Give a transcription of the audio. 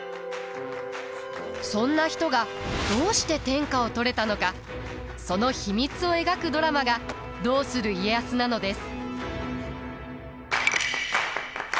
そんな人がどうして天下を取れたのかその秘密を描くドラマが「どうする家康」なのです。